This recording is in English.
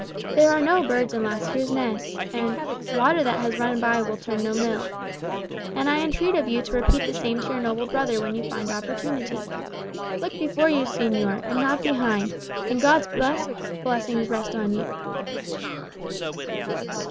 'There are no birds in last year's nests;' and 'Water that has run by will turn no mill.' And I entreat of you to repeat the same to your noble brother when you find opportunity. Look before you, señor, and not behind; and God's best blessings rest on you!"